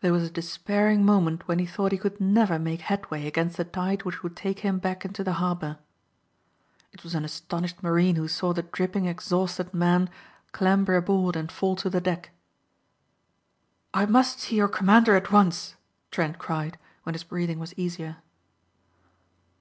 There was a despairing moment when he thought he could never make headway against the tide which would take him back into the harbor. It was an astonished marine who saw the dripping exhausted man clamber aboard and fall to the deck. "I must see your commander at once," Trent cried, when his breathing was easier.